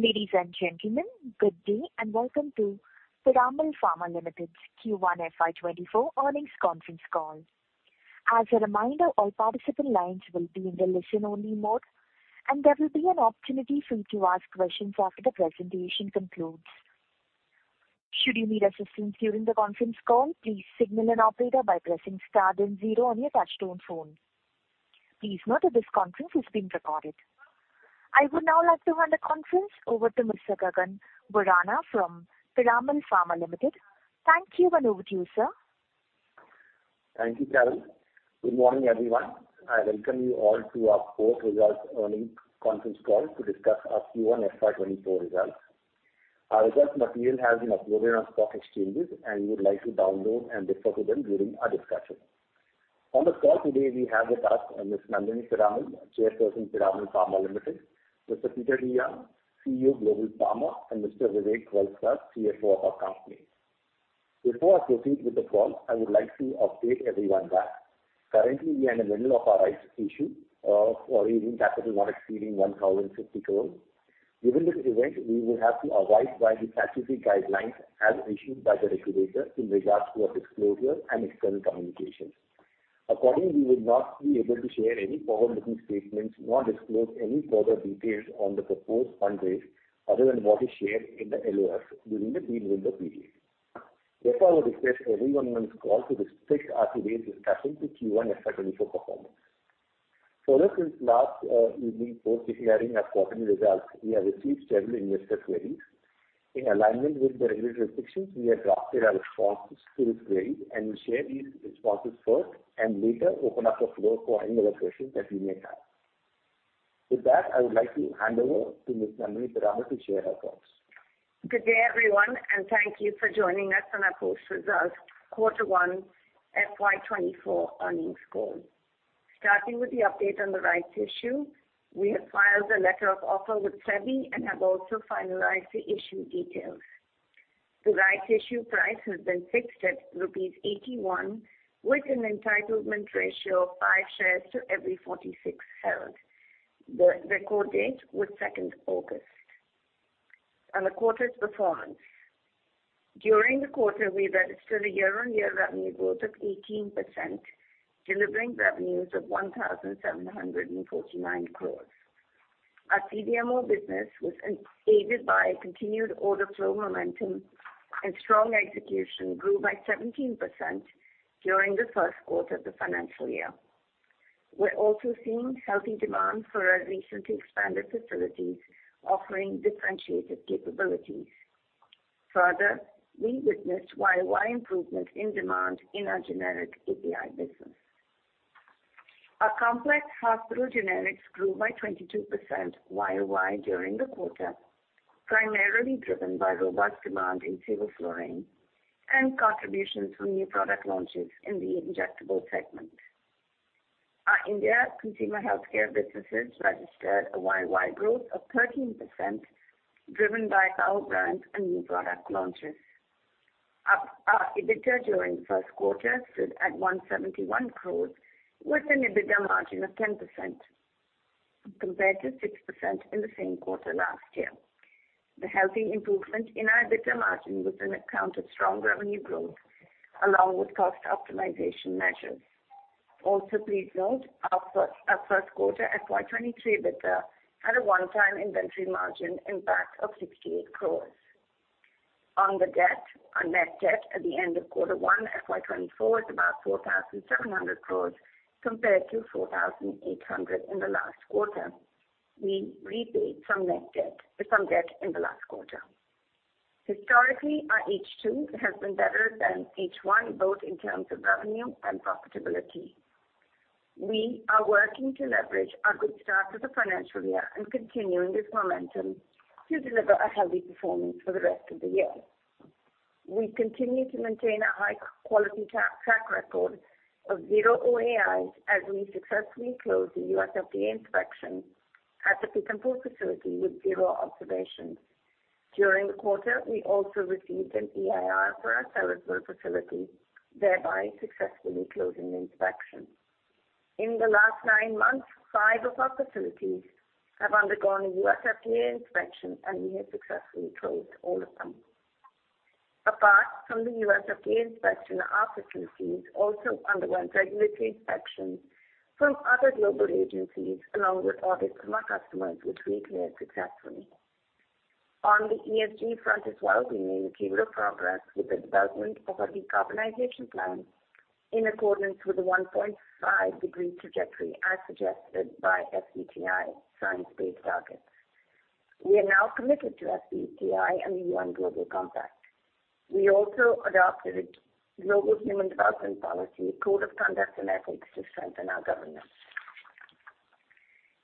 Ladies and gentlemen, good day, and welcome to Piramal Pharma Limited's Q1 FY 2024 earnings conference call. As a reminder, all participant lines will be in listen-only mode, and there will be an opportunity for you to ask questions after the presentation concludes. Should you need assistance during the conference call, please signal an operator by pressing star then 0 on your touchtone phone. Please note that this conference is being recorded. I would now like to hand the conference over to Mr. Gagan Borana from Piramal Pharma Limited. Thank you, and over to you, sir. Thank you, Carol. Good morning, everyone. I welcome you all to our fourth results earnings conference call to discuss our Q1 FY 2024 results. Our results material has been uploaded on stock exchanges. We would like to download and refer to them during our discussion. On the call today, we have with us Ms. Nandini Piramal, Chairperson, Piramal Pharma Limited, Mr. Peter DeYoung, CEO, Global Pharma, and Mr. Vivek Valsaraj, CFO of our company. Before I proceed with the call, I would like to update everyone that currently we are in the middle of our rights issue for raising capital not exceeding 1,060 crore. Given this event, we will have to abide by the statutory guidelines as issued by the regulator in regards to our disclosure and external communications. Accordingly, we will not be able to share any forward-looking statements, nor disclose any further details on the proposed fundraise, other than what is shared in the LOF during the deal window period. I would request everyone on this call to restrict our today's discussion to Q1 FY 2024 performance. Since last week post declaring our quarterly results, we have received several investor queries. In alignment with the related restrictions, we have drafted our responses to this query, and we share these responses first, and later open up the floor for any other questions that you may have. With that, I would like to hand over to Ms. Nandini Piramal to share her thoughts. Good day, everyone, and thank you for joining us on our post-results quarter one FY 2024 earnings call. Starting with the update on the rights issue, we have filed a Letter of Offer with SEBI and have also finalized the issue details. The rights issue price has been fixed at rupees 81, with an entitlement ratio of 5 shares to every 46 held. The record date was 2nd August. On the quarter's performance, during the quarter, we registered a year-on-year revenue growth of 18%, delivering revenues of 1,749 crore. Our CDMO business, aided by continued order flow momentum and strong execution, grew by 17% during the first quarter of the financial year. We're also seeing healthy demand for our recently expanded facilities, offering differentiated capabilities. Further, we witnessed year-on-year improvement in demand in our generic API business. Our complex hospital generics grew by 22% year-on-year during the quarter, primarily driven by robust demand in civil flooring and contributions from new product launches in the injectable segment. Our India consumer healthcare businesses registered a year-on-year growth of 13%, driven by our brand and new product launches. Our EBITDA during the first quarter stood at 171 crore, with an EBITDA margin of 10%, compared to 6% in the same quarter last year. The healthy improvement in our EBITDA margin was on account of strong revenue growth, along with cost optimization measures. Also, please note, our first quarter FY 2023 EBITDA had a one-time inventory margin impact of 68 crore. On the debt, our net debt at the end of Q1 FY 2024 is about 4,700 crore compared to 4,800 crore in the last quarter. We repaid some net debt, some debt in the last quarter. Historically, our H2 has been better than H1, both in terms of revenue and profitability. We are working to leverage our good start to the financial year and continuing this momentum to deliver a healthy performance for the rest of the year. We continue to maintain a high-quality track record of zero OAIs, as we successfully closed the US FDA inspection at the Pick and Pull facility with zero observations. During the quarter, we also received an EIR for our Telerik facility, thereby successfully closing the inspection. In the last nine months, five of our facilities have undergone a US FDA inspection, and we have successfully closed all of them. Apart from the US FDA inspection, our facilities also underwent regulatory inspections from other global agencies, along with audits from our customers, which we cleared successfully. On the ESG front as well, we made key progress with the development of our decarbonization plan in accordance with the 1.5 degree trajectory, as suggested by SBTi Science Based Targets. We are now committed to SBTi and the UN Global Compact. We also adopted a Global Human Development Policy, Code of Conduct and Ethics to strengthen our governance.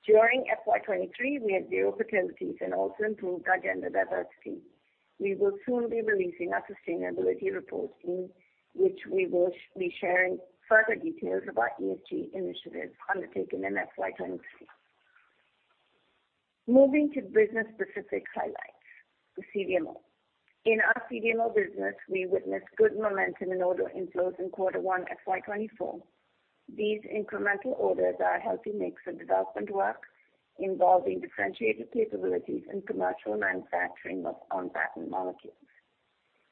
During FY 2023, we had 0 fatalities and also improved our gender diversity. We will soon be releasing our sustainability report, in which we will be sharing further details about ESG initiatives undertaken in FY 2023. Moving to business-specific highlights. The CDMO. In our CDMO business, we witnessed good momentum in order inflows in quarter one FY 2024. These incremental orders are a healthy mix of development work, involving differentiated capabilities and commercial manufacturing of on-patent molecules.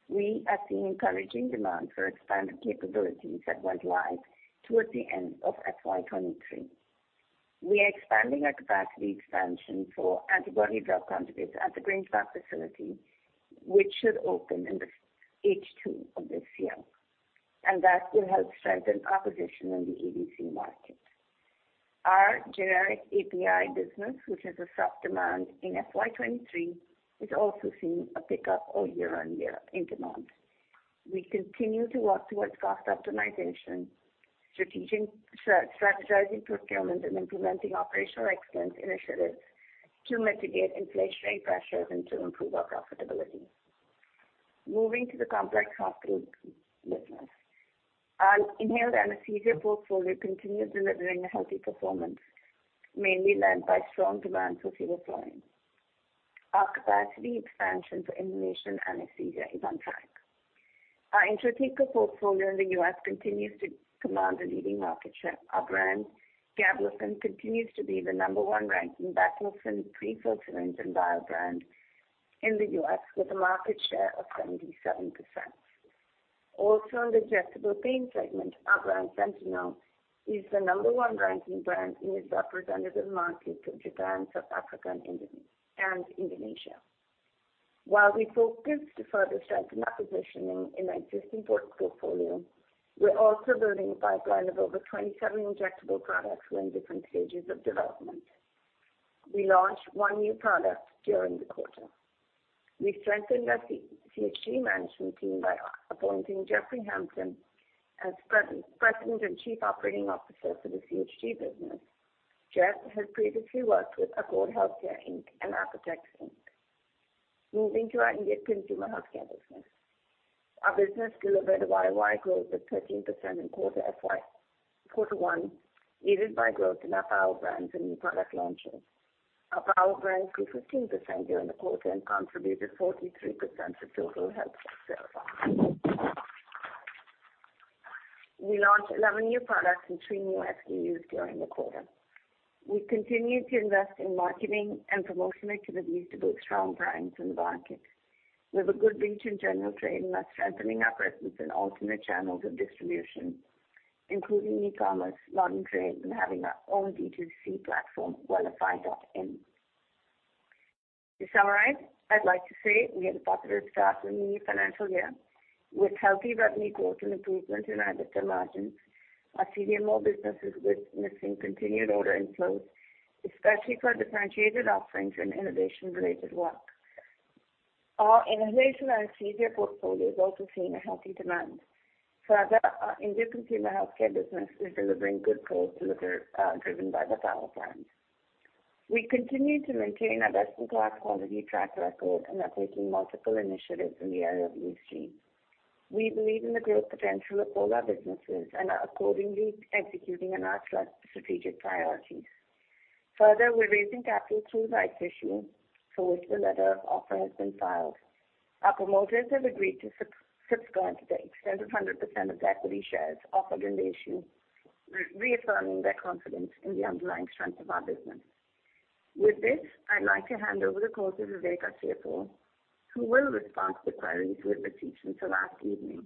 We have seen encouraging demand for expanded capabilities that went live towards the end of FY 2023. We are expanding our capacity expansion for antibody drug candidates at the Greensboro facility, which should open in the H2 of this year. That will help strengthen our position in the ADC market. Our generic API business, which has a soft demand in FY 2023, is also seeing a pickup of year-on-year in demand. We continue to work towards cost optimization, strategizing procurement, and implementing operational excellence initiatives to mitigate inflationary pressures and to improve our profitability. Moving to the Complex Hospital business. Our inhaled anesthesia portfolio continues delivering a healthy performance, mainly led by strong demand for sevoflurane. Our capacity expansion for inhalation anesthesia is on track. Our intraocular portfolio in the US continues to command a leading market share. Our brand, Gablofen, continues to be the number 1 ranking baclofen prefill syringe and vial brand in the US, with a market share of 77%. In the injectable pain segment, our brand, Sentinel, is the number 1 ranking brand in its representative markets of Japan, South Africa, and Indonesia. While we focus to further strengthen our positioning in existing portfolio, we're also building a pipeline of over 27 injectable products who are in different stages of development. We launched 1 new product during the quarter. We strengthened our CHG management team by appointing Jeffrey Hampton as President and Chief Operating Officer for the CHG business. Jeff has previously worked with Accord Healthcare Inc. and Apotex Inc. Moving to our India Consumer Healthcare business. Our business delivered a Y-o-Y growth of 13% in quarter one, driven by growth in our power brands and new product launches. Our power brands grew 15% during the quarter and contributed 43% to total health sales. We launched 11 new products and 3 new SKUs during the quarter. We continued to invest in marketing and promotional activities to build strong brands in the market, with a good reach in general trade and are strengthening our presence in alternate channels of distribution, including e-commerce, modern trade, and having our own B2C platform, Wellify.in. To summarize, I'd like to say we had a positive start in the new financial year, with healthy revenue growth and improvement in EBITDA margins. Our CDMO business is witnessing continued order inflows, especially for differentiated offerings and innovation-related work. Our inhalation anesthesia portfolio is also seeing a healthy demand. Further, our India Consumer Healthcare business is delivering good growth driven by the power brands. We continue to maintain our best-in-class quality track record and are taking multiple initiatives in the area of ESG. We believe in the growth potential of all our businesses and are accordingly executing on our strategic priorities. Further, we're raising capital through rights issue, for which the letter of offer has been filed. Our promoters have agreed to subscribe to the extent of 100% of the equity shares offered in the issue, reaffirming their confidence in the underlying strength of our business. With this, I'd like to hand over the call to Vivek Valsaraj, who will respond to queries we've received since last evening.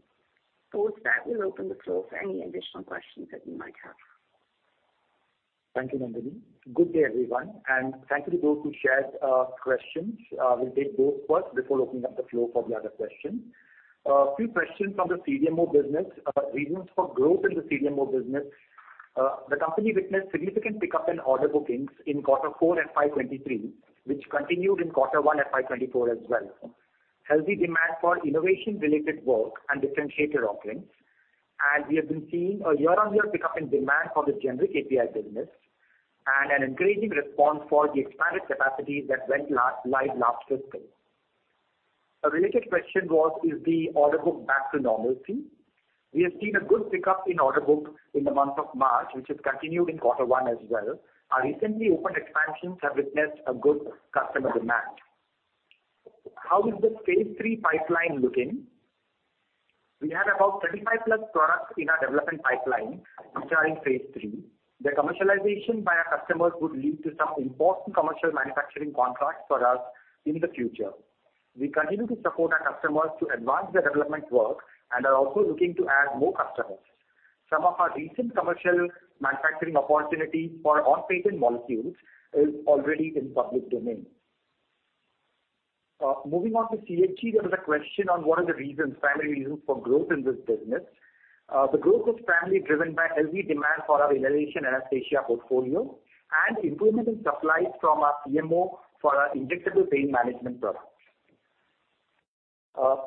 Post that, we'll open the floor for any additional questions that you might have. Thank you, Nandini. Good day, everyone, and thank you to those who shared questions. We'll take those first before opening up the floor for the other questions. A few questions on the CDMO business. Reasons for growth in the CDMO business. The company witnessed significant pickup in order bookings in Q4 FY 2023, which continued in Q1 FY 2024 as well. Healthy demand for innovation-related work and differentiated offerings, and we have been seeing a year-on-year pickup in demand for the generic API business and an encouraging response for the expanded capacity that went live last fiscal. A related question was: Is the order book back to normalcy? We have seen a good pickup in order book in the month of March, which has continued in Q1 as well. Our recently opened expansions have witnessed a good customer demand. How is the phase 3 pipeline looking? We have about 25 plus products in our development pipeline, which are in phase 3. The commercialization by our customers would lead to some important commercial manufacturing contracts for us in the future. We continue to support our customers to advance their development work and are also looking to add more customers. Some of our recent commercial manufacturing opportunities for on-patent molecules is already in public domain. Moving on to CHG, there was a question on what are the reasons, primary reasons for growth in this business. The growth was primarily driven by healthy demand for our inhalation anesthesia portfolio and improvement in supplies from our CMO for our injectable pain management products.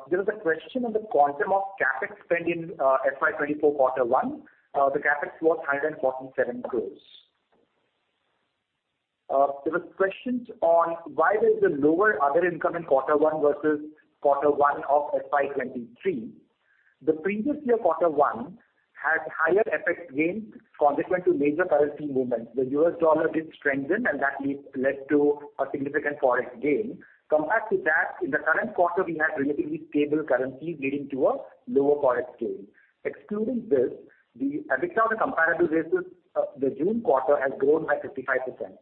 There was a question on the quantum of CapEx spend in FY 2024 quarter one. The CapEx was 147 crore. There was questions on why there is a lower other income in quarter one versus quarter one of FY 2023. The previous year, quarter one, had higher effect gains consequent to major currency movements. The US dollar did strengthen, and that led to a significant Forex gain. Compared to that, in the current quarter, we had relatively stable currency, leading to a lower Forex gain. Excluding this, the EBITDA on a comparable basis, the June quarter has grown by 55%.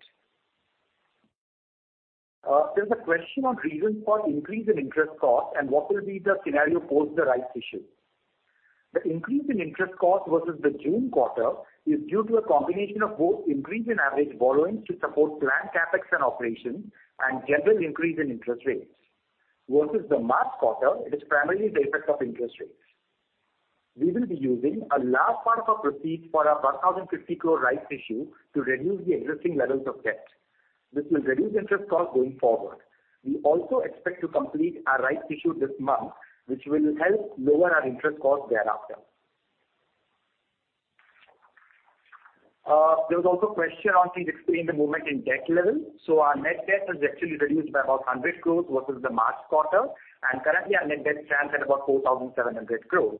There's a question on reasons for increase in interest cost and what will be the scenario post the rights issue. The increase in interest cost versus the June quarter is due to a combination of both increase in average borrowings to support planned CapEx and operations, and general increase in interest rates. Versus the March quarter, it is primarily the effect of interest rates. We will be using a large part of our proceeds for our 1,050 crore rights issue to reduce the existing levels of debt. This will reduce interest cost going forward. We also expect to complete our rights issue this month, which will help lower our interest cost thereafter. There was also a question on, please explain the movement in debt level. Our net debt is actually reduced by about 100 crore versus the March quarter, and currently our net debt stands at about 4,700 crore.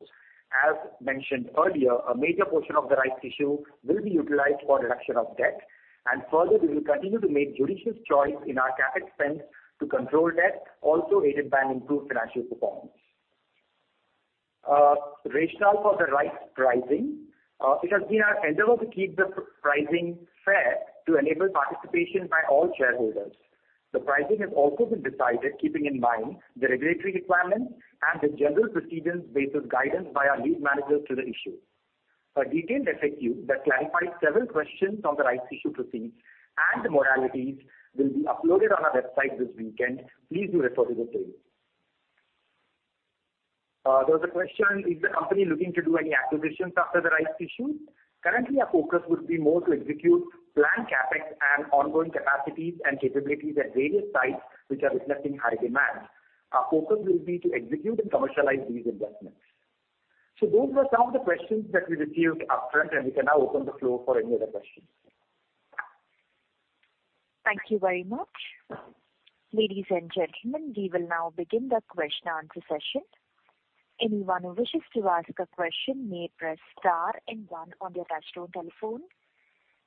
As mentioned earlier, a major portion of the rights issue will be utilized for reduction of debt, and further, we will continue to make judicious choice in our CapEx spends to control debt, also aided by an improved financial performance. Rationale for the rights pricing. It has been our endeavor to keep the pricing fair to enable participation by all shareholders. The pricing has also been decided keeping in mind the regulatory requirements and the general procedures based on guidance by our lead managers to the issue. A detailed FAQ that clarifies several questions on the rights issue proceedings and the modalities will be uploaded on our website this weekend. Please do refer to the same. There was a question: Is the company looking to do any acquisitions after the rights issue? Currently, our focus would be more to execute planned CapEx and ongoing capacities and capabilities at various sites which are reflecting high demand. Our focus will be to execute and commercialize these investments. Those were some of the questions that we received upfront, and we can now open the floor for any other questions. Thank you very much. Ladies and gentlemen, we will now begin the question and answer session. Anyone who wishes to ask a question may press star 1 on their touchtone telephone.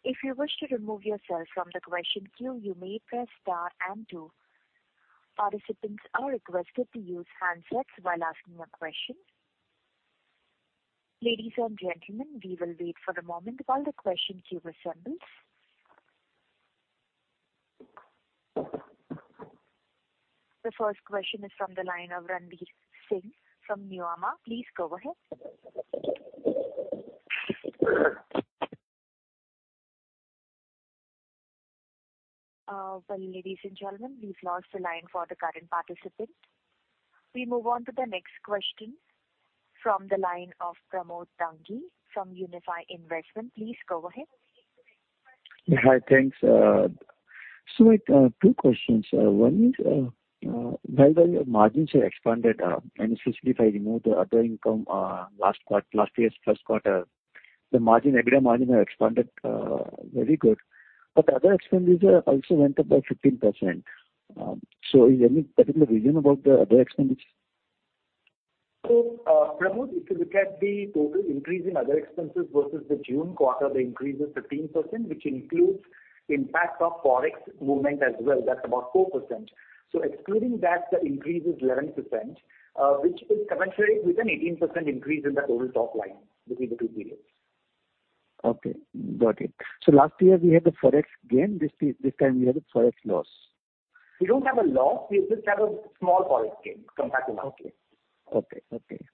If you wish to remove yourself from the question queue, you may press star 2. Participants are requested to use handsets while asking a question. Ladies and gentlemen, we will wait for a moment while the question queue assembles. The first question is from the line of Ranveer Singh from Nuvama. Please go ahead. Well, ladies and gentlemen, we've lost the line for the current participant. We move on to the next question from the line of Pramod Tangi from Unifi Capital. Please go ahead. Hi, thanks. I have 2 questions. One is, while your margins have expanded, especially if I remove the other income, last year's first quarter, the margin, EBITDA margin have expanded, very good, the other expenses also went up by 15%. Is there any particular reason about the other expenses? Pramod, if you look at the total increase in other expenses versus the June quarter, the increase is 13%, which includes impact of Forex movement as well, that's about 4%. Excluding that, the increase is 11%, which is commensurate with an 18% increase in the total top line between the two periods. Okay, got it. Last year, we had the Forex gain, this time we have a Forex loss. We don't have a loss. We just have a small Forex gain compared to last year. Okay. Okay, okay.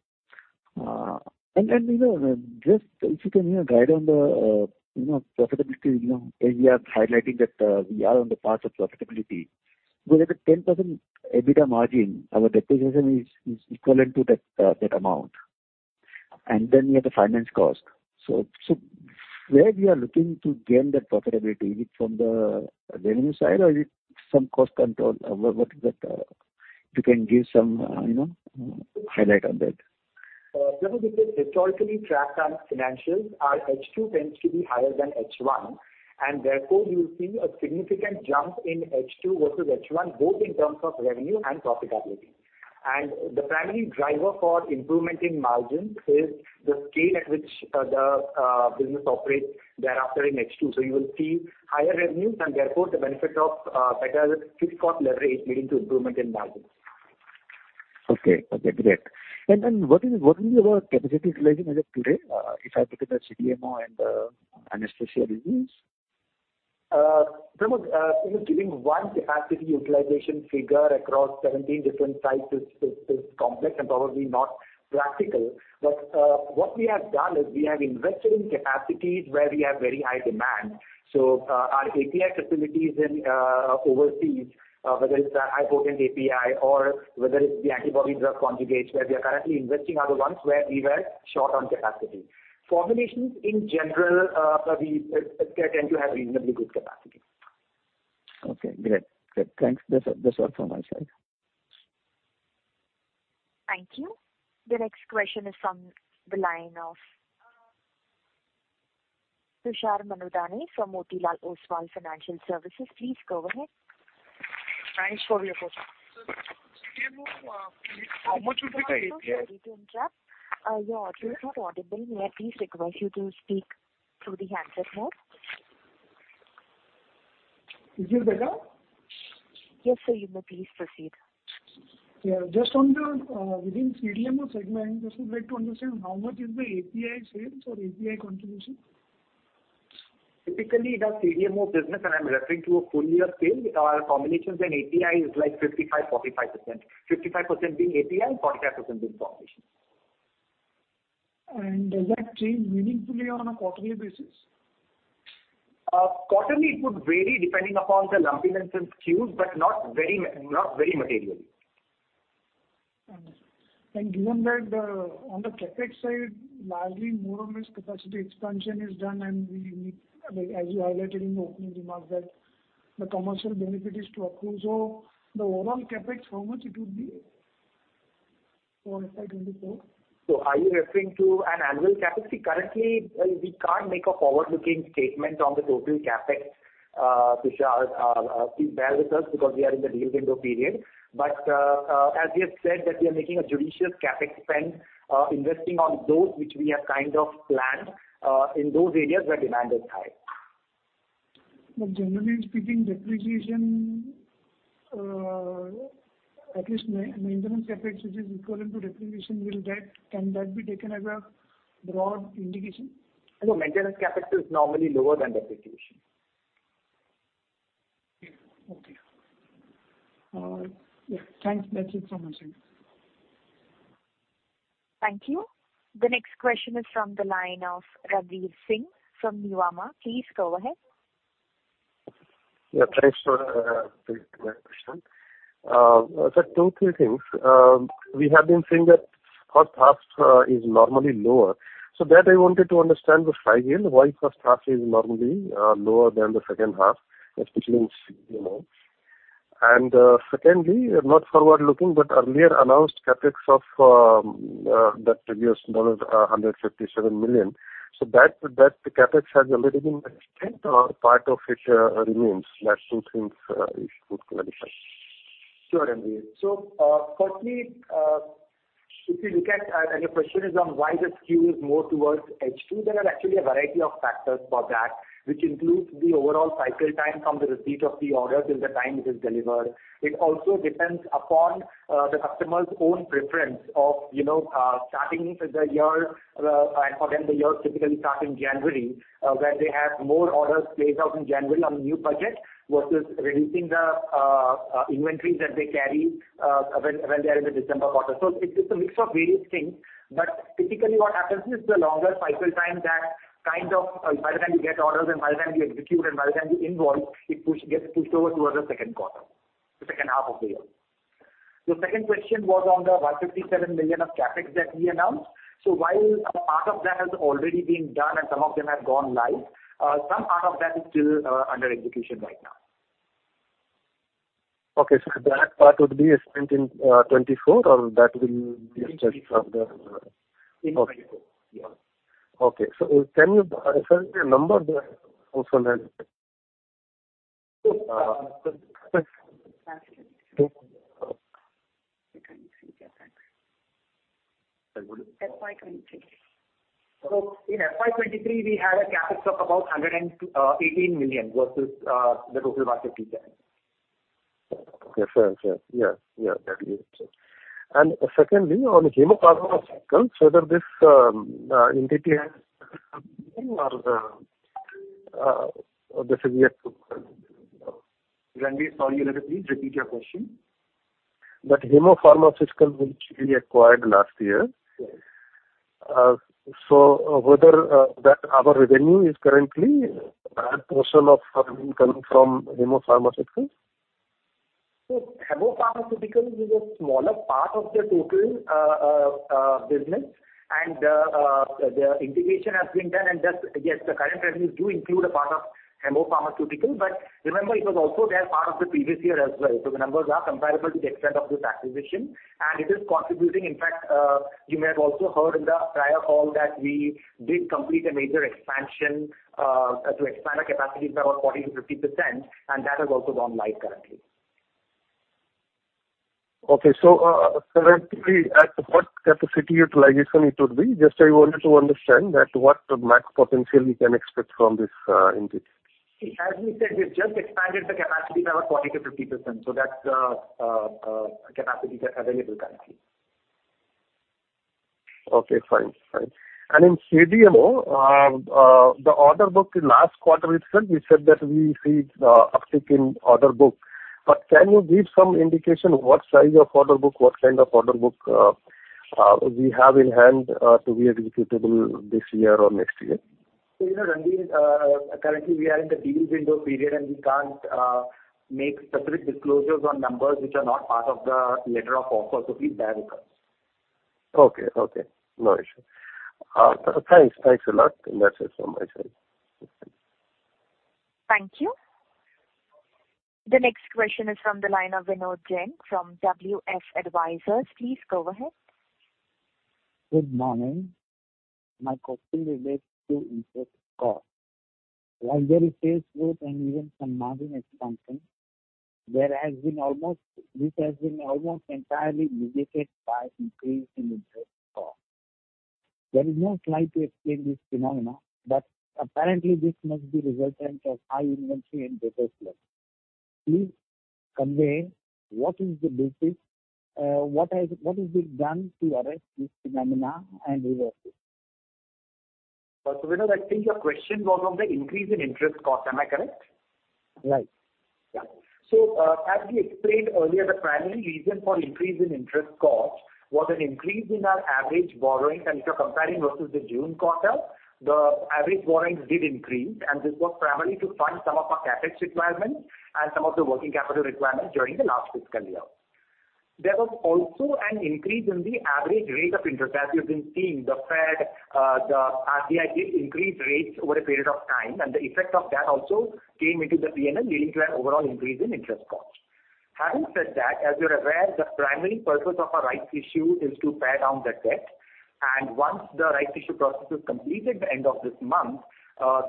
You know, just if you can, you know, guide on the, you know, profitability, you know, as we are highlighting that, we are on the path of profitability. With a 10% EBITDA margin, our depreciation is, is equivalent to that, that amount, and then we have the finance cost. Where we are looking to gain that profitability, is it from the revenue side or is it some cost control? What is that, you can give some, you know, highlight on that. Pramod, because historically, track on financials, our H2 tends to be higher than H1, and therefore, you will see a significant jump in H2 versus H1, both in terms of revenue and profitability. The primary driver for improvement in margins is the scale at which the business operates thereafter in H2. You will see higher revenues, and therefore, the benefit of better fixed cost leverage leading to improvement in margins. Okay. Okay, great. What is, what is your capacity utilization as of today, if I look at the CDMO and the anesthesia business? Pramod, you know, giving one capacity utilization figure across 17 different sites is, is, is complex and probably not practical. What we have done is we have invested in capacities where we have very high demand. Our API facilities in overseas, whether it's the high-potent API or whether it's the antibody drug conjugates, where we are currently investing, are the ones where we were short on capacity. Formulations in general, we tend to have reasonably good capacity. Okay, great. Great. Thanks. That's, that's all from my side. Thank you. The next question is from the line of Tushar Manudhane from Motilal Oswal Financial Services. Please go ahead. Thanks for your question. Sorry to interrupt. You're also not audible. May I please request you to speak through the handset mode? Is this better? Yes, sir, you may please proceed. Yeah, just on the, within CDMO segment, just would like to understand how much is the API sales or API contribution? Typically, the CDMO business, I'm referring to a full year sale, our combinations and API is like 55, 45%. 55% being API, 45% being combination. Does that change meaningfully on a quarterly basis? Quarterly, it would vary depending upon the lumpiness and queues, but not very, not very materially. Understood. Given that the, on the CapEx side, largely more or less capacity expansion is done, and we need, as you highlighted in the opening remarks, that the commercial benefit is to accrue. The overall CapEx, how much it would be for FY 2024? Are you referring to an annual CapEx? See, currently, we can't make a forward-looking statement on the total CapEx, Tushar. Please bear with us because we are in the deal window period. As we have said that we are making a judicious CapEx spend, investing on those which we have kind of planned, in those areas where demand is high. Generally speaking, depreciation, at least maintenance CapEx, which is equivalent to depreciation, can that be taken as a broad indication? No, maintenance CapEx is normally lower than depreciation. Okay. Yeah, thanks. That's it from my side. Thank you. The next question is from the line of Randhir Singh from Nuvama. Please go ahead. Yeah, thanks for taking my question. Sir, 2, 3 things. We have been seeing that first half is normally lower, so that I wanted to understand the rationale why first half is normally lower than the second half, which means, you know. Secondly, not forward-looking, but earlier announced CapEx of that previous number, $157 million. That, that CapEx has already been spent or part of it remains? Last 2 things, if you could clarify. Sure, Randhir. Firstly, if you look at, and your question is on why the skew is more towards H2, there are actually a variety of factors for that, which includes the overall cycle time from the receipt of the order till the time it is delivered. It also depends upon the customer's own preference of, you know, starting the year. For them, the year typically start in January, where they have more orders placed out in January on the new budget, versus reducing the inventories that they carry when, when they are in the December quarter. It's a mix of various things, but typically what happens is the longer cycle time, that kind of by the time you get orders and by the time you execute and by the time you invoice, it gets pushed over towards the second quarter, the second half of the year. The second question was on the $157 million of CapEx that we announced. While a part of that has already been done and some of them have gone live, some part of that is still under execution right now. Okay. That part would be spent in, 2024 or that will be just for the- In 2024, yeah. Okay. Can you refer me a number also then? FY 2023. In FY 2023, we had a CapEx of about $118 million versus the total market then. Yes, yes, yes, yes, that is it. Secondly, on Hemmo Pharmaceuticals, whether this entity has or this is yet to come. Randhir, sorry, can you please repeat your question? That Hemmo Pharmaceuticals, which we acquired last year. Yes. Whether, that our revenue is currently a portion of revenue coming from Hemmo Pharmaceuticals? Hemmo Pharmaceuticals is a smaller part of the total business, and the integration has been done, and that's, yes, the current revenues do include a part of Hemmo Pharmaceuticals. Remember, it was also there part of the previous year as well. The numbers are comparable to the extent of this acquisition, and it is contributing. In fact, you may have also heard in the prior call that we did complete a major expansion to expand our capacity by about 40%-50%, and that has also gone live currently. Okay, currently, at what capacity utilization it would be? Just I wanted to understand that what max potential we can expect from this entity. As we said, we've just expanded the capacity by about 40%-50%, so that's the capacity available currently. Okay, fine. Fine. In CDMO, the order book in last quarter itself, we said that we see uptick in order book, but can you give some indication what size of order book, what kind of order book we have in hand to be executable this year or next year? You know, Randhir, currently, we are in the deal window period, and we can't make specific disclosures on numbers which are not part of the Letter of Offer. Please bear with us. Okay, okay. No issue. Thanks. Thanks a lot. That's it from my side. Thank you. The next question is from the line of Vinod Jain from WF Advisors. Please go ahead. Good morning. My question relates to interest cost. While there is sales growth and even some margin expansion, there has been this has been almost entirely mitigated by increase in interest cost. There is no slide to explain this phenomena, but apparently this must be resultant of high inventory and debtors level. Please convey what is the basis, what is being done to arrest this phenomena and reverse it? Vinod, I think your question was on the increase in interest cost. Am I correct? Right. Yeah. As we explained earlier, the primary reason for increase in interest cost was an increase in our average borrowings. If you're comparing versus the June quarter, the average borrowings did increase, and this was primarily to fund some of our CapEx requirements and some of the working capital requirements during the last fiscal year. There was also an increase in the average rate of interest. As you've been seeing, the Fed, the RBI did increase rates over a period of time, the effect of that also came into the P&L, leading to an overall increase in interest cost. Having said that, as you're aware, the primary purpose of a rights issue is to pare down the debt, once the rights issue process is completed at the end of this month,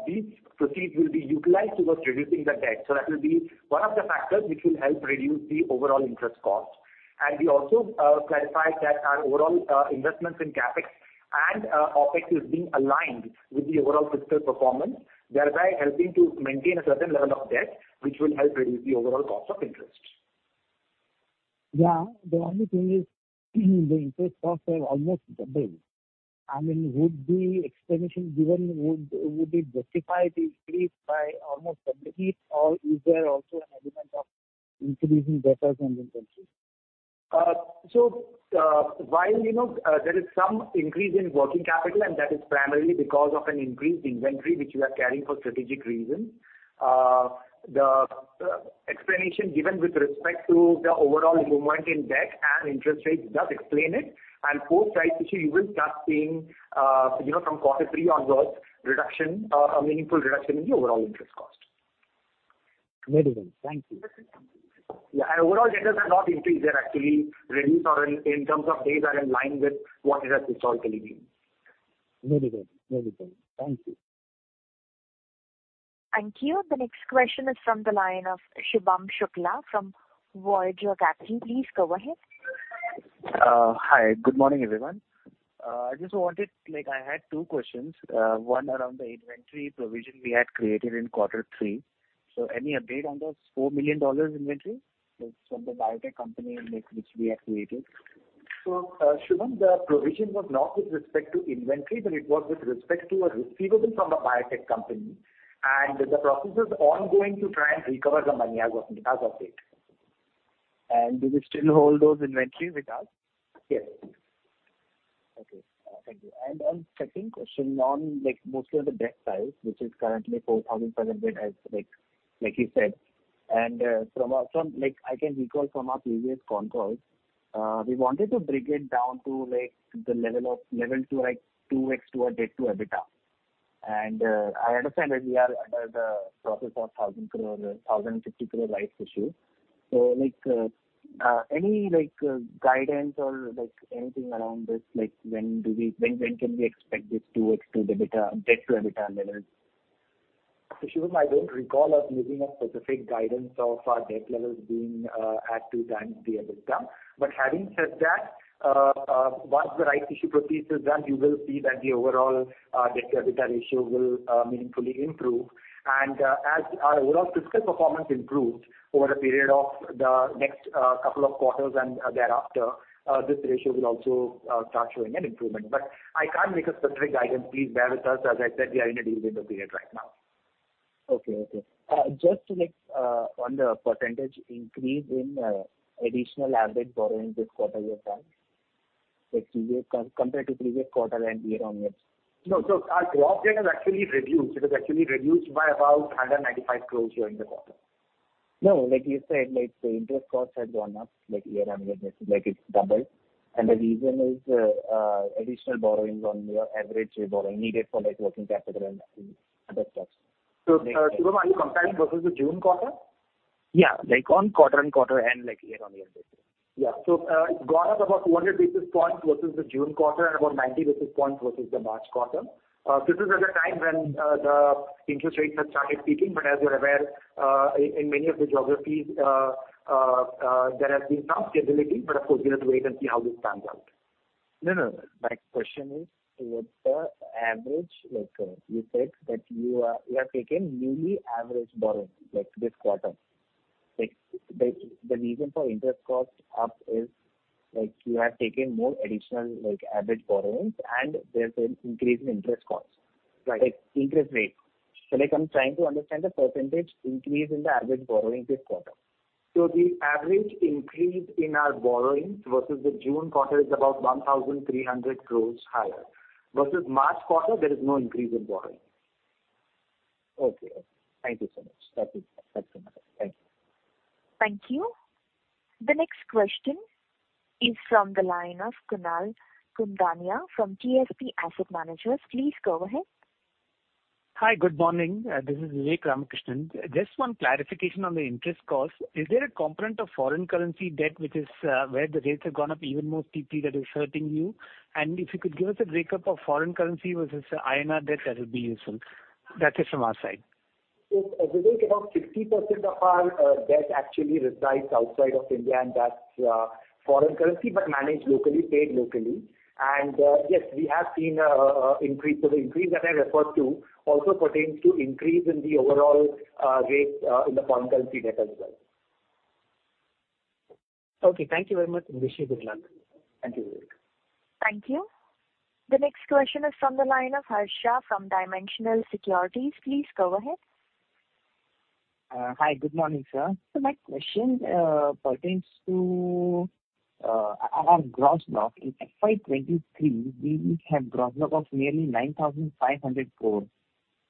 these proceeds will be utilized towards reducing the debt. That will be one of the factors which will help reduce the overall interest cost. We also clarified that our overall investments in CapEx and OpEx is being aligned with the overall fiscal performance, thereby helping to maintain a certain level of debt, which will help reduce the overall cost of interest. Yeah. The only thing is, the interest costs have almost doubled. I mean, would the explanation given, would, would it justify the increase by almost doubling, or is there also an element of increasing debtors and inventory? While, you know, there is some increase in working capital, that is primarily because of an increased inventory, which we are carrying for strategic reasons. The explanation given with respect to the overall movement in debt and interest rates does explain it, post rights issue, you will start seeing, you know, from quarter three onwards, reduction, a meaningful reduction in the overall interest cost. Very good. Thank you. Yeah, overall debtors have not increased. They're actually reduced or in, in terms of days are in line with what is our historical leading. Very good. Very good. Thank you. Thank you. The next question is from the line of Shubham Shukla from Voyager Capital. Please go ahead. Hi, good morning, everyone. I just wanted... Like, I had two questions, one around the inventory provision we had created in quarter 3. Any update on those $4 million inventory from the biotech company, like, which we have created? Shubham, the provision was not with respect to inventory, but it was with respect to a receivable from a biotech company. The process is ongoing to try and recover the money as of, as of date. Do we still hold those inventory with us? Yes. Okay, thank you. On second question on, like, mostly on the debt side, which is currently 4,007 as, like, you said, from a, like, I can recall from our previous controls, we wanted to bring it down to, like, the level to, like, 2x to our debt to EBITDA. I understand that we are under the process of 1,000 crore, 1,050 crore rights issue. Any, like, guidance or, like, anything around this, like, when do we- when, when can we expect this 2x to EBITDA, debt to EBITDA levels? Shubham, I don't recall us giving a specific guidance of our debt levels being at 2 times the EBITDA. Having said that, once the rights issue process is done, you will see that the overall debt to EBITDA ratio will meaningfully improve. As our overall fiscal performance improves over a period of the next 2 quarters and thereafter, this ratio will also start showing an improvement. I can't give a specific guidance. Please bear with us. As I said, we are in a window period right now. Okay. Okay. just to like, on the percentage increase in, additional average borrowing this quarter you have done, like, previous, compared to previous quarter and year-over-year? No, our borrowing has actually reduced. It is actually reduced by about 195 crore during the quarter. No, like you said, like, the interest costs have gone up, like, year-on-year, like, it's doubled. The reason is, additional borrowings on your average borrowing needed for, like, working capital and other costs. Shubham, are you comparing versus the June quarter? Yeah, like, on quarter-on-quarter and, like, year-on-year basis. Yeah. It's gone up about 200 basis points versus the June quarter and about 90 basis points versus the March quarter. This is at a time when the interest rates have started peaking, but as you're aware, in, in many of the geographies, there has been some stability, but of course, we have to wait and see how this pans out. No, no, my question is with the average, like, you said that you have taken newly average borrowing, like, this quarter. Like, the, the reason for interest cost up is, like, you have taken more additional, like, average borrowings, and there's an increase in interest costs. Right. Like, interest rate. Like, I'm trying to understand the % increase in the average borrowing this quarter. The average increase in our borrowings versus the June quarter is about 1,300 crore higher. Versus March quarter, there is no increase in borrowing. Okay. Okay. Thank you so much. That's it. Thank you. Thank you. The next question is from the line of Kunal Kundania from TSP Asset Managers. Please go ahead. Hi, good morning. This is Vivek Ramakrishnan. Just 1 clarification on the interest cost. Is there a component of foreign currency debt, which is, where the rates have gone up even more steeply that is hurting you? If you could give us a breakup of foreign currency versus INR debt, that would be useful. That's it from our side. Vivek, about 60% of our debt actually resides outside of India, and that's foreign currency, but managed locally, paid locally. Yes, we have seen a, a increase. The increase that I referred to also pertains to increase in the overall rates in the foreign currency debt as well. Okay, thank you very much, and wish you good luck. Thank you, Vivek. Thank you. The next question is from the line of Harsha from Dimensional Securities. Please go ahead. Hi, good morning, sir. My question pertains to our gross block. In FY 2023, we have gross block of nearly 9,500 crore,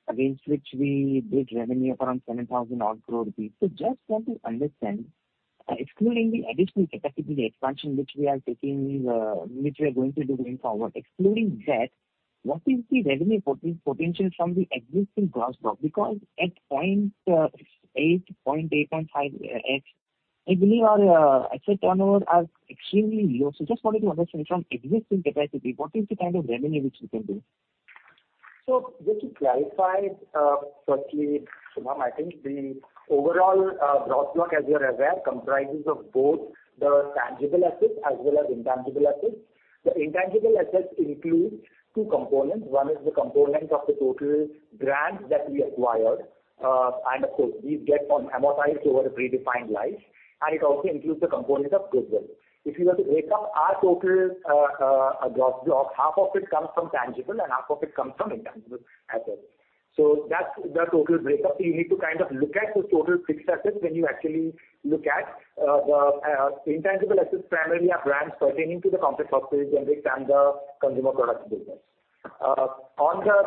against which we did revenue of around 7,000 crore rupees. Just want to understand, excluding the additional capacity expansion, which we are taking, which we are going to do going forward. Excluding that, what is the revenue potential from the existing gross block? Because at 0.8, 0.85x, I believe our asset turnover are extremely low. Just wanted to understand from existing capacity, what is the kind of revenue which we can do? Just to clarify, firstly, Sumam, I think the overall gross block, as you're aware, comprises of both the tangible assets as well as intangible assets. The intangible assets includes two components. One is the component of the total brands that we acquired, and of course, these get amortized over a predefined life, and it also includes the component of goodwill. If you were to break up our total gross block, half of it comes from tangible and half of it comes from intangible assets. That's the total breakup. You need to kind of look at the total fixed assets when you actually look at the intangible assets primarily are brands pertaining to the complex portfolio generics and the consumer products business. On the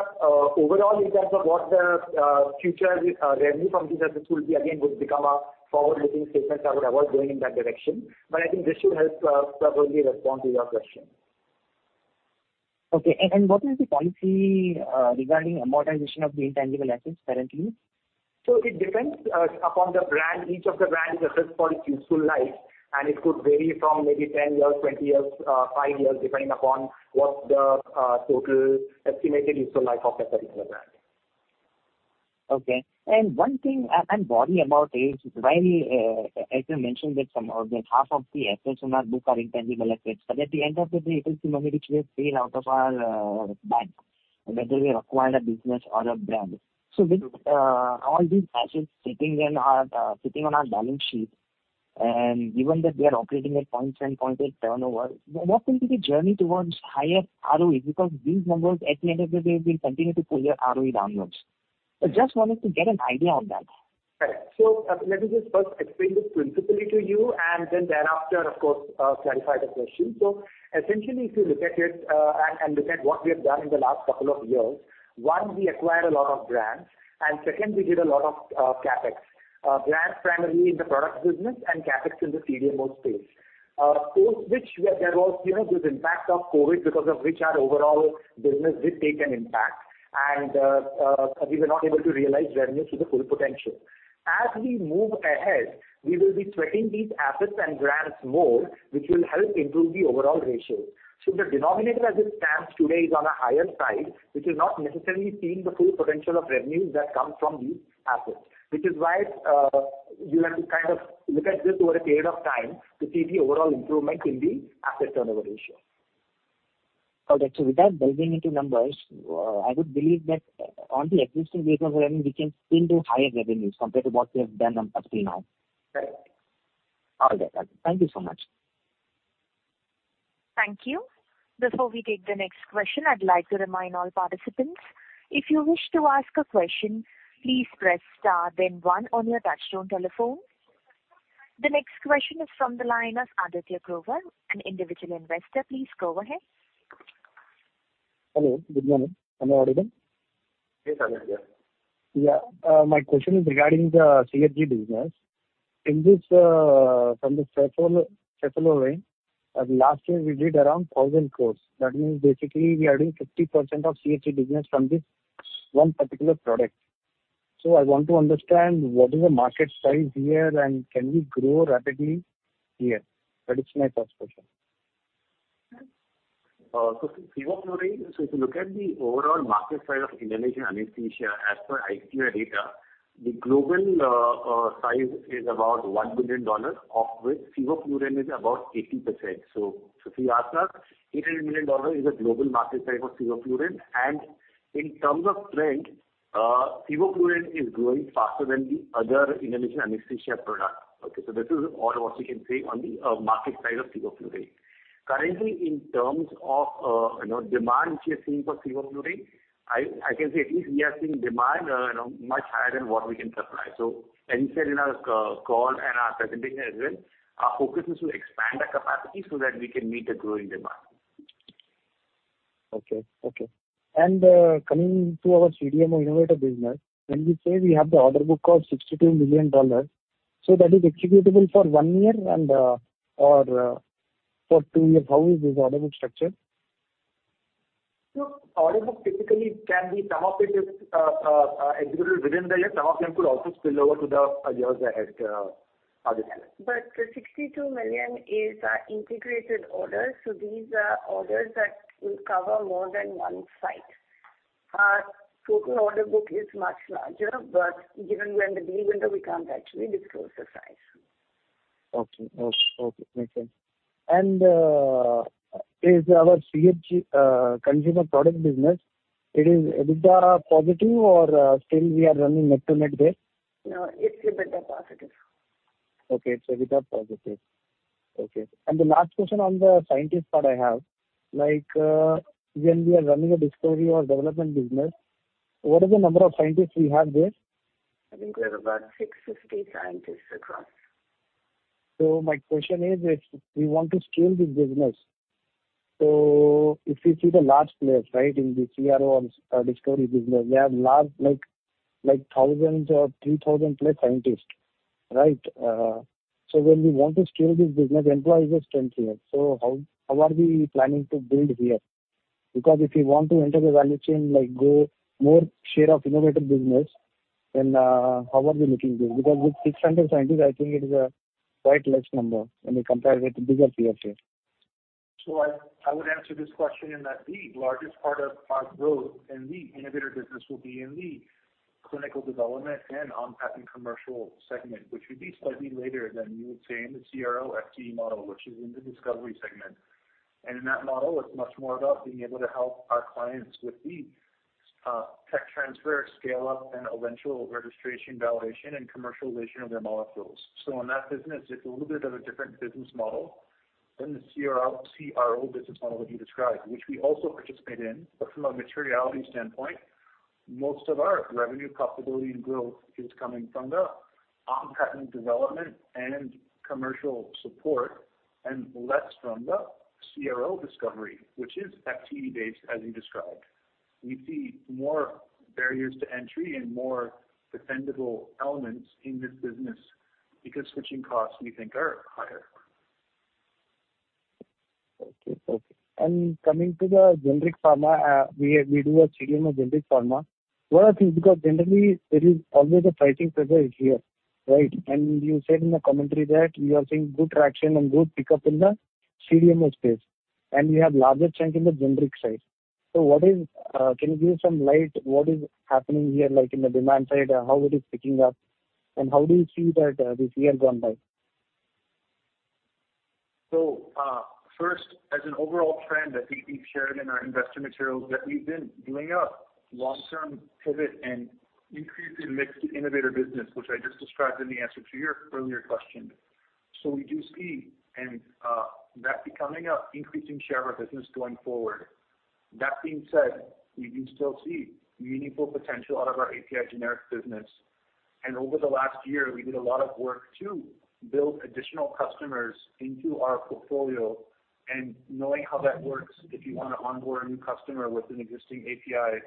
overall, in terms of what the future revenue from these assets will be, again, would become a forward-looking statement. I would avoid going in that direction, but I think this should help probably respond to your question. Okay. What is the policy regarding amortization of the intangible assets currently? It depends upon the brand. Each of the brands assess for its useful life, and it could vary from maybe 10 years, 20 years, five years, depending upon what the total estimated useful life of a particular brand. Okay. One thing I, I'm worry about is while, as you mentioned, that some of the half of the assets on our book are intangible assets, but at the end of the day, it is economically we fail out of our bank, whether we acquired a business or a brand. With all these assets sitting in our sitting on our balance sheet, and given that we are operating at 0.7, 0.8 turnover, what will be the journey towards higher ROE? Because these numbers, at the end of the day, will continue to pull your ROE downwards. Just wanted to get an idea on that. Right. Let me just first explain this principally to you, and then thereafter, of course, clarify the question. Essentially, if you look at it, and, and look at what we have done in the last couple of years, one, we acquired a lot of brands, and second, we did a lot of CapEx. Brands primarily in the product business and CapEx in the CDMO space. Post which there was, you know, this impact of COVID, because of which our overall business did take an impact, and, we were not able to realize revenue to the full potential. As we move ahead, we will be sweating these assets and brands more, which will help improve the overall ratio. The denominator as it stands today, is on a higher side, which is not necessarily seeing the full potential of revenues that come from these assets, which is why, you have to kind of look at this over a period of time to see the overall improvement in the asset turnover ratio. Okay. Without delving into numbers, I would believe that on the existing base of revenue, we can still do higher revenues compared to what we have done up till now. Correct. All right. Thank you so much. Thank you. Before we take the next question, I'd like to remind all participants, if you wish to ask a question, please press star then one on your touchtone telephone. The next question is from the line of Aditya Grover, an individual investor. Please go ahead. Hello, good morning. Am I audible? Yes, Aditya. Yeah, my question is regarding the CHG business. In this, from the sevoflurane, last year, we did around 1,000 crore. That means basically we are doing 50% of CHG business from this one particular product. I want to understand what is the market size here, and can we grow rapidly here? That is my first question. Sevoflurane, if you look at the overall market size of inhalation anesthesia, as per IQVIA data, the global size is about $1 billion, of which sevoflurane is about 80%. If you ask us, $18 billion is the global market size for sevoflurane. In terms of trend, sevoflurane is growing faster than the other inhalation anesthesia product. This is all what we can say on the market side of sevoflurane. Currently, in terms of, you know, demand, which we are seeing for sevoflurane, I, I can say at least we are seeing demand, you know, much higher than what we can supply. As I said in our call and our presentation as well, our focus is to expand the capacity so that we can meet the growing demand. Okay. Okay. Coming to our CDMO innovator business, when we say we have the order book of $62 million, so that is executable for 1 year and, or, to how is this order book structured? Order book typically can be some of it is executed within the year. Some of them could also spill over to the years ahead, Ajay? The $62 million is our integrated orders, so these are orders that will cover more than one site. Our total order book is much larger, but given we're in the deal window, we can't actually disclose the size. Okay. Okay, makes sense. Is our CHG consumer product business, it is EBITDA positive or, still we are running net-to-net there? No, EBITDA positive. Okay, it's EBITDA positive. Okay. The last question on the scientist part I have, like, when we are running a discovery or development business, what is the number of scientists we have there? I think we have about 650 scientists across. My question is, if we want to scale this business, so if you see the large players, right, in the CRO or discovery business, they have large like, like thousands or 3,000 plus scientists, right? When we want to scale this business, employees are strength here. How, how are we planning to build here? Because if you want to enter the value chain, like grow more share of innovator business, then, how are we looking there? Because with 600 scientists, I think it is a quite less number when we compare with the bigger CDMOs. I would answer this question in that the largest part of our growth in the innovator business will be in the clinical development and on-patent commercial segment, which would be slightly later than you would say in the CRO FTE model, which is in the discovery segment. In that model, it's much more about being able to help our clients with the tech transfer, scale up and eventual registration, validation and commercialization of their molecules. In that business, it's a little bit of a different business model than the CRO business model that you described, which we also participate in. From a materiality standpoint, most of our revenue, profitability and growth is coming from the on-patent development and commercial support, and less from the CRO discovery, which is FTE based, as you described. We see more barriers to entry and more defendable elements in this business, because switching costs, we think, are higher. Okay. Okay. Coming to the generic pharma, we, we do a CDMO generic pharma. What are things? Because generally there is always a pricing pressure is here, right? You said in the commentary that you are seeing good traction and good pickup in the CDMO space, and we have larger strength in the generic side. What is... Can you give some light, what is happening here, like, in the demand side, how it is picking up and how do you see that this year going by? First, as an overall trend, I think we've shared in our investor materials that we've been doing a long-term pivot and increase in mixed innovator business, which I just described in the answer to your earlier question. We do see and that becoming an increasing share of our business going forward. That being said, we do still see meaningful potential out of our API generic business. Over the last year, we did a lot of work to build additional customers into our portfolio. Knowing how that works, if you want to onboard a new customer with an existing API,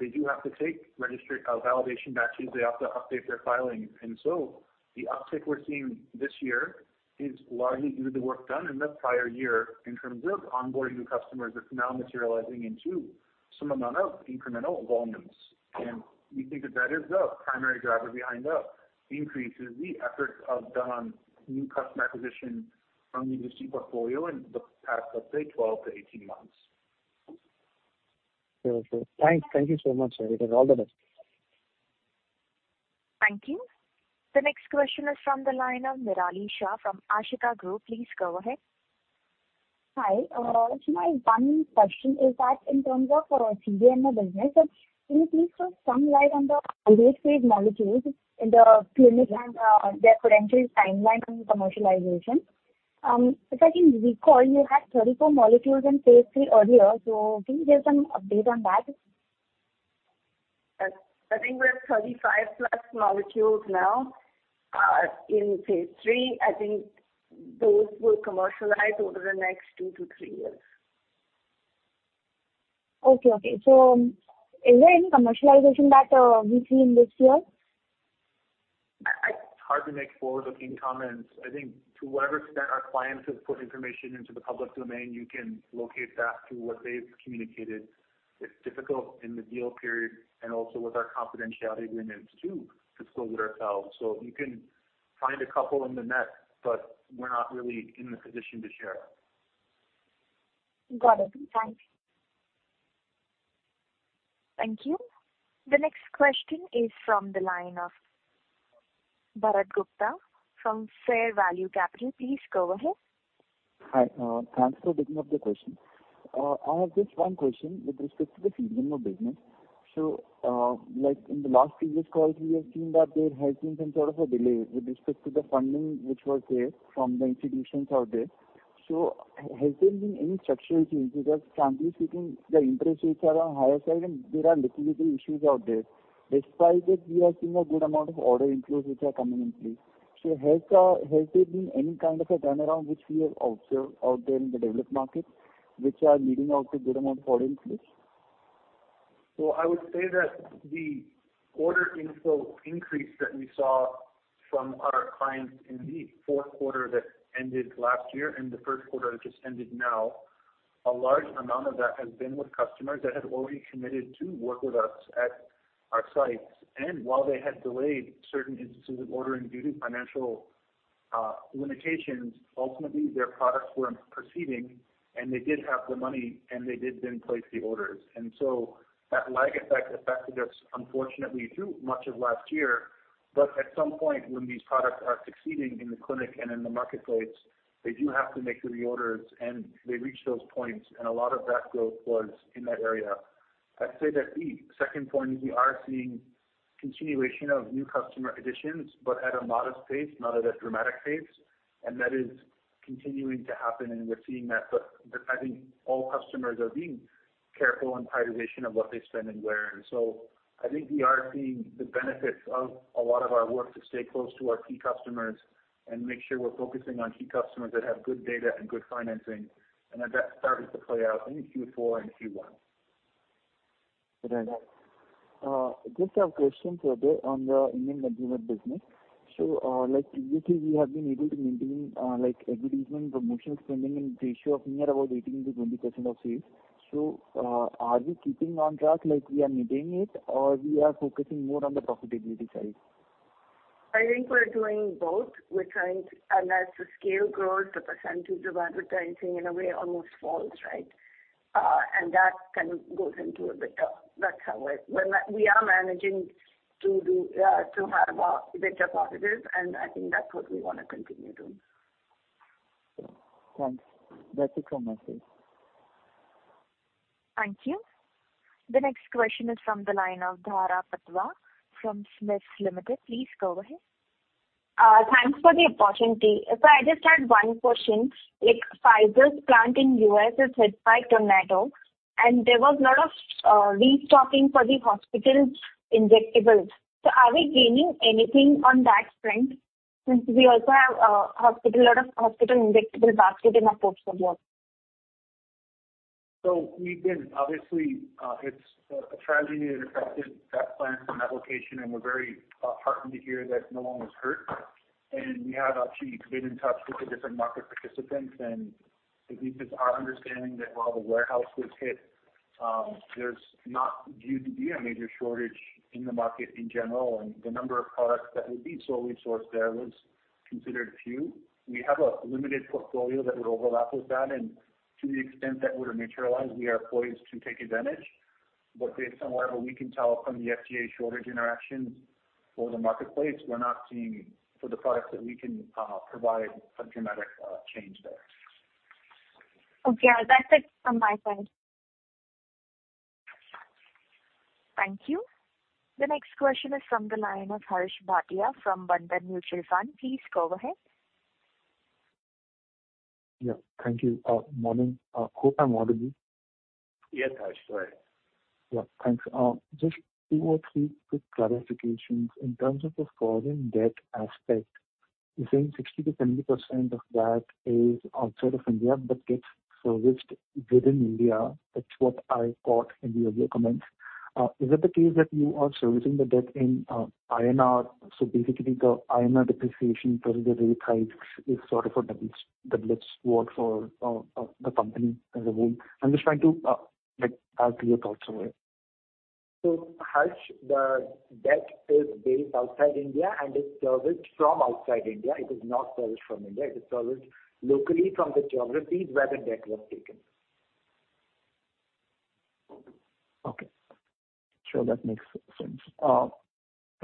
they do have to take registry validation batches. They have to update their filings. The uptick we're seeing this year is largely due to work done in the prior year in terms of onboarding new customers. It's now materializing into some amount of incremental volumes. We think that that is the primary driver behind the increases, the efforts of done new customer acquisition from the existing portfolio in the past, let's say, 12 to 18 months. Sure. Sure. Thanks. Thank you so much, sir. All the best. Thank you. The next question is from the line of Nirali Shah from Ashika Group. Please go ahead. Hi, so my one question is that in terms of our CDMO business, can you please shed some light on the late stage molecules in the clinic and their potential timeline on commercialization? If I can recall, you had 34 molecules in phase 3 earlier. Can you give some update on that? I think we have 35 plus molecules now, in phase III. I think those will commercialize over the next 2-3 years. Okay. Okay. Is there any commercialization that we see in this year? Hard to make forward-looking comments. I think to whatever extent our clients have put information into the public domain, you can locate that to what they've communicated. It's difficult in the deal period and also with our confidentiality agreements, too, to speak with ourselves. You can find a couple in the net, but we're not really in the position to share. Got it. Thanks. Thank you. The next question is from the line of Bharat Gupta from Fair Value Capital. Please go ahead. Hi, thanks for giving up the question. I have just one question with respect to the CDMO business. Like in the last few years calls, we have seen that there has been some sort of a delay with respect to the funding, which was there from the institutions out there. Has there been any structural change? Because frankly speaking, the interest rates are on higher side, and there are liquidity issues out there. Despite that, we have seen a good amount of order inflows which are coming in place. Has there been any kind of a turnaround which we have observed out there in the developed markets, which are leading out to good amount of order inflows? Well, I would say that the order inflow increase that we saw from our clients in the fourth quarter that ended last year, and the first quarter that just ended now, a large amount of that has been with customers that had already committed to work with us at our sites. While they had delayed certain instances of ordering due to financial limitations, ultimately their products were proceeding, and they did have the money, and they did then place the orders. So that lag effect affected us unfortunately through much of last year. At some point, when these products are succeeding in the clinic and in the marketplace, they do have to make the reorders, and they reach those points, and a lot of that growth was in that area. I'd say that the second point, we are seeing continuation of new customer additions, but at a modest pace, not at a dramatic pace. That is continuing to happen, and we're seeing that. I think all customers are being careful in prioritization of what they spend and where. I think we are seeing the benefits of a lot of our work to stay close to our key customers and make sure we're focusing on key customers that have good data and good financing. That started to play out in Q4 and Q1. Right. Just have questions a bit on the Indian consumer business. Like previously, we have been able to maintain like advertisement, promotional spending in ratio of near about 18%-20% of sales. Are we keeping on track like we are maintaining it, or we are focusing more on the profitability side? I think we're doing both. As the scale grows, the percentage of advertising in a way almost falls, right? That kind of goes into a bit of that's how it. When we are managing to do, to have a better positives, I think that's what we want to continue doing. Thanks. That's it from my side. Thank you. The next question is from the line of Dhara Patwa from Smith Limited. Please go ahead. Thanks for the opportunity. I just had one question. Like, Pfizer's plant in U.S. is hit by tornado, and there was a lot of restocking for the hospital's injectables. Are we gaining anything on that front, since we also have a lot of hospital injectable basket in our portfolio? We did. Obviously, it's a tragedy that affected that plant and that location, and we're very heartened to hear that no one was hurt. We have actually been in touch with the different market participants, and it is our understanding that while the warehouse was hit, there's not viewed to be a major shortage in the market in general, and the number of products that would be solely sourced there was considered few. We have a limited portfolio that would overlap with that, and to the extent that would have neutralized, we are poised to take advantage. Based on whatever we can tell from the FDA shortage interactions or the marketplace, we're not seeing, for the products, that we can provide a dramatic change there. Okay, that's it from my side. Thank you. The next question is from the line of Harsh Bhatia from Bandhan Mutual Fund. Please go ahead. Yeah, thank you. Morning. Hope I'm audible. Yes, Harsh. Go ahead. Yeah, thanks. Just two or three quick clarifications. In terms of the foreign debt aspect, you're saying 60%-70% of that is outside of India but gets serviced within India. That's what I caught in the earlier comments. Is that the case that you are servicing the debt in INR? Basically, the INR depreciation for the rate hike is sort of a double-edged sword for the company as a whole. I'm just trying to, like, ask your thoughts on it. Harsh, the debt is based outside India and is serviced from outside India. It is not serviced from India. It is serviced locally from the geographies where the debt was taken. Okay. Sure, that makes sense.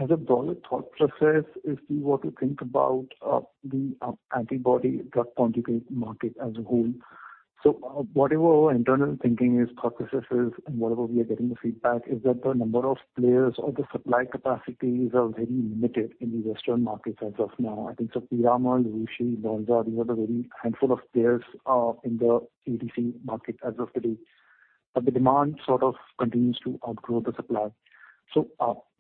As a broader thought process, if we were to think about the antibody drug conjugate market as a whole. Whatever our internal thinking is, thought process is, and whatever we are getting the feedback, is that the number of players or the supply capacities are very limited in the Western markets as of now. I think so Piramal, WuXi, Lonza, these are the very handful of players in the ADC market as of today, but the demand sort of continues to outgrow the supply.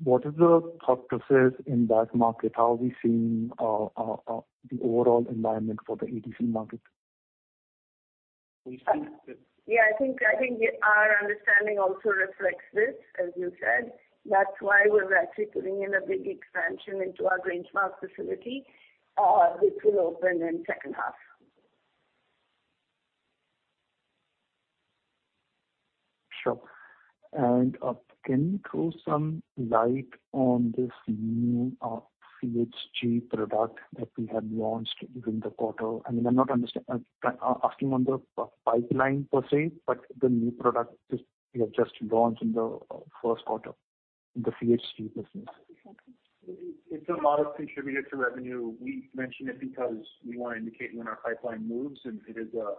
What is the thought process in that market? How are we seeing the overall environment for the ADC market? We see- Yeah, I think, I think our understanding also reflects this, as you said. That's why we're actually putting in a big expansion into our Grangemouth facility, which will open in second half. Sure. Can you throw some light on this new CHG product that we had launched during the quarter? I mean, I'm not asking on the pipeline per se, but the new product that you have just launched in the first quarter in the CHG business. It's a modest contributor to revenue. We mention it because we want to indicate when our pipeline moves, and it is a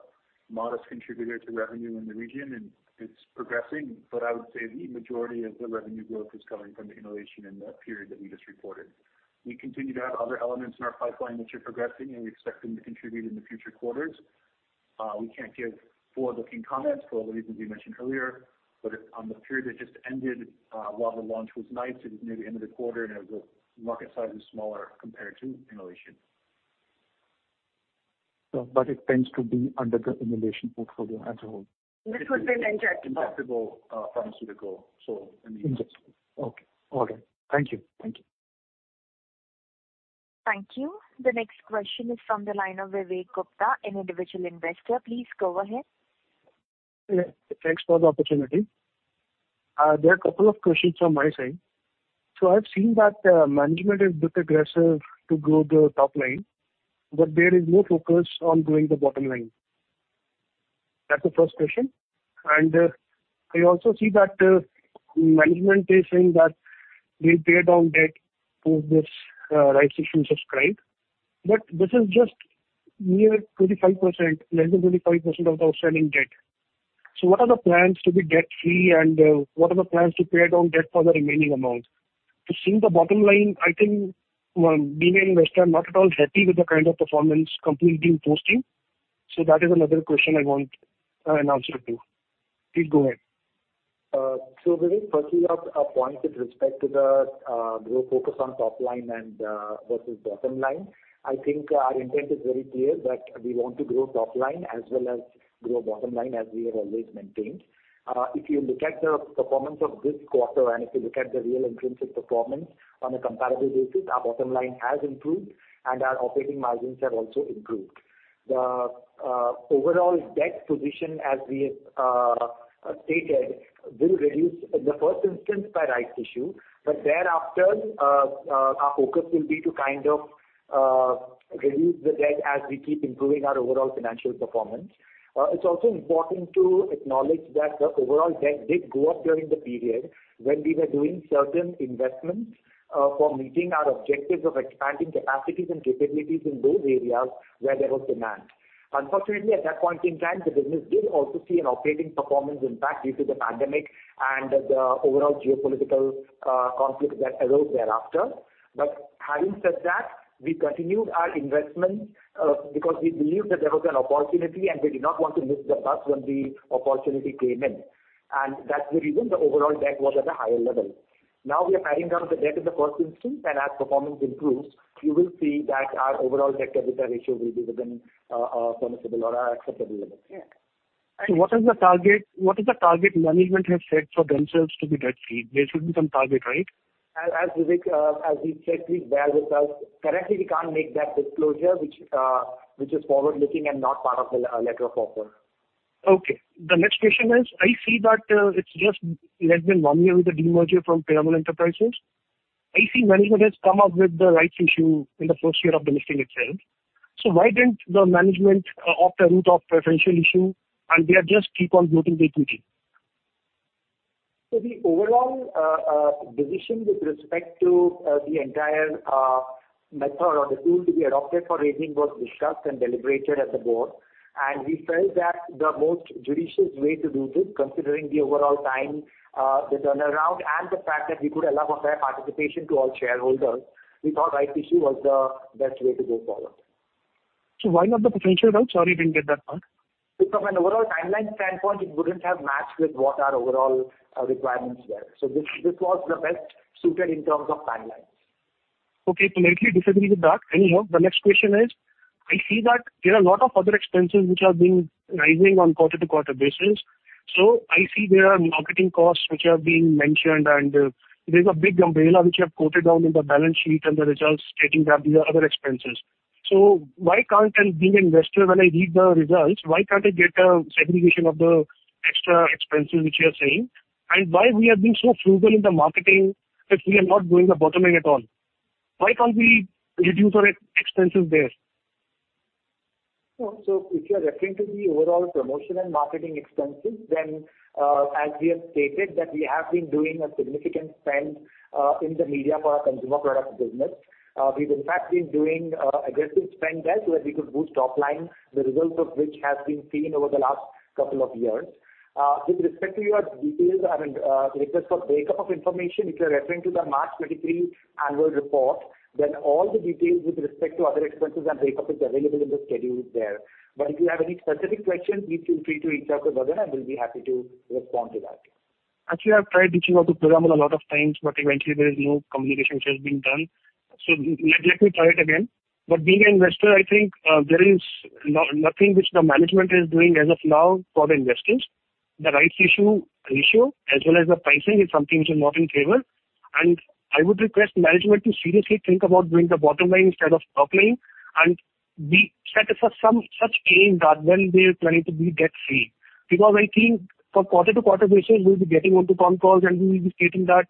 modest contributor to revenue in the region, and it's progressing. I would say the majority of the revenue growth is coming from the inhalation in the period that we just reported. We continue to have other elements in our pipeline which are progressing, and we expect them to contribute in the future quarters. We can't give forward-looking comments for the reasons we mentioned earlier, but on the period that just ended, while the launch was nice, it was near the end of the quarter, and the market size is smaller compared to inhalation. It tends to be under the inhalation portfolio as a whole. This was mentioned. Injectable, pharmaceutical, injectable. Okay. All right. Thank you. Thank you. Thank you. The next question is from the line of Vivek Gupta, an individual investor. Please go ahead. Yes, thanks for the opportunity. There are a couple of questions from my side. I've seen that management is bit aggressive to grow the top line, but there is no focus on growing the bottom line. That's the first question. I also see that management is saying that they pay down debt to this right issue subscribed, but this is just near 25%, less than 25% of the outstanding debt. What are the plans to be debt-free, and what are the plans to pay down debt for the remaining amount? To see the bottom line, I think, well, being an investor, I'm not at all happy with the kind of performance company been posting, so that is another question I want an answer to. Please go ahead. Vivek, firstly, on your point with respect to the growth focus on top line and versus bottom line, I think our intent is very clear that we want to grow top line as well as grow bottom line, as we have always maintained. If you look at the performance of this quarter, and if you look at the real intrinsic performance on a comparable basis, our bottom line has improved and our operating margins have also improved. The overall debt position, as we stated, will reduce in the first instance by rights issue, but thereafter, our focus will be to kind of reduce the debt as we keep improving our overall financial performance. It's also important to acknowledge that the overall debt did go up during the period when we were doing certain investments for meeting our objectives of expanding capacities and capabilities in those areas where there was demand. Unfortunately, at that point in time, the business did also see an operating performance impact due to the pandemic and the overall geopolitical conflict that arose thereafter. Having said that, we continued our investments because we believed that there was an opportunity, and we did not want to miss the bus when the opportunity came in, and that's the reason the overall debt was at a higher level. Now we are paying down the debt in the first instance, and as performance improves, you will see that our overall debt-to-EBITDA ratio will be within permissible or acceptable levels. What is the target, what is the target management have set for themselves to be debt-free? There should be some target, right? As Vivek, as we said, we bear with us. Currently, we can't make that disclosure, which is forward-looking and not part of the Letter of Offer. Okay. The next question is: I see that it's just less than one year with the demerger from Piramal Enterprises. I see management has come up with the rights issue in the first year of the listing itself. Why didn't the management opt a route of preferential issue, and we are just keep on diluting the equity? The overall decision with respect to the entire method or the tool to be adopted for raising was discussed and deliberated at the board, and we felt that the most judicious way to do this, considering the overall time, the turnaround, and the fact that we could allow for fair participation to all shareholders, we thought rights issue was the best way to go forward. Why not the preferential route? Sorry, I didn't get that part. From an overall timeline standpoint, it wouldn't have matched with what our overall requirements were. This, this was the best suited in terms of timelines. Okay, politely disagree with that. Anyhow, the next question is: I see that there are a lot of other expenses which have been rising on quarter-to-quarter basis. I see there are marketing costs which have been mentioned, and there's a big umbrella which you have quoted down in the balance sheet and the results stating that these are other expenses. Why can't I, being an investor, when I read the results, why can't I get a segregation of the extra expenses which you are saying? Why we are being so frugal in the marketing, that we are not growing the bottom line at all? Why can't we reduce our ex-expenses there? So if you are referring to the overall promotion and marketing expenses, then, as we have stated, that we have been doing a significant spend, in the media for our consumer products business. We've in fact been doing, aggressive spend there so that we could boost top line, the results of which has been seen over the last couple of years. With respect to your details and, request for breakup of information, if you are referring to the March 2023 annual report, then all the details with respect to other expenses and breakup is available in the schedule there. If you have any specific questions, please feel free to reach out to Gagan Borana, and we'll be happy to respond to that. Actually, I've tried reaching out to Piramal a lot of times, but eventually there is no communication which has been done. Let me try it again. Being an investor, I think, there is nothing which the management is doing as of now for the investors. The rights issue, ratio, as well as the pricing, is something which are not in favor. I would request management to seriously think about doing the bottom line instead of top line, and we set aside some such aim that when we are planning to be debt-free. I think from quarter-to-quarter basis, we'll be getting onto con calls, and we will be stating that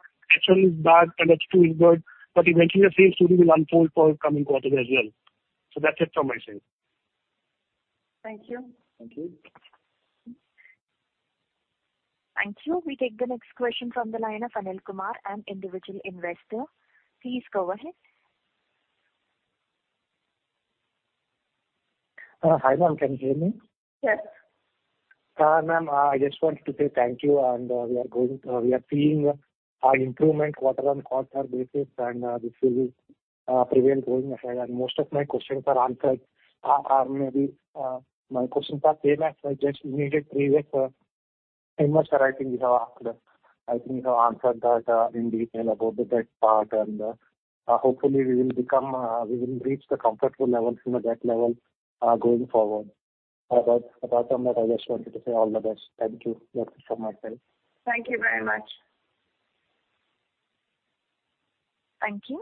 H1 is bad and H2 is good, but eventually the same story will unfold for coming quarters as well. That's it from my side. Thank you. Thank you. Thank you. We take the next question from the line of Anil Kumar, an individual investor. Please go ahead. Hi, ma'am. Can you hear me? Yes. Ma'am, I just wanted to say thank you, and we are going... We are seeing improvement quarter on quarter basis, and this will prevail going ahead. Most of my questions are answered. Maybe, my questions are same as just immediate previous investor I think you have asked. I think you have answered that in detail about the debt part, and hopefully we will become, we will reach the comfortable level from the debt level going forward. Apart from that, I just wanted to say all the best. Thank you. That is from my side. Thank you very much. Thank you.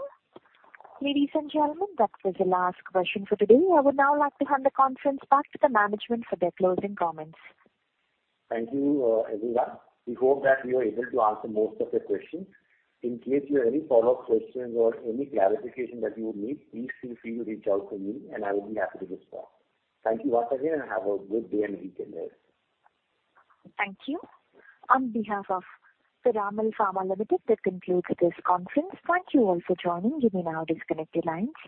Ladies and gentlemen, that was the last question for today. I would now like to hand the conference back to the management for their closing comments. Thank you, everyone. We hope that we were able to answer most of your questions. In case you have any follow-up questions or any clarification that you would need, please feel free to reach out to me, and I will be happy to respond. Thank you once again, and have a good day and weekend ahead. Thank you. On behalf of Piramal Pharma Limited, that concludes this conference. Thank you all for joining. You may now disconnect your lines.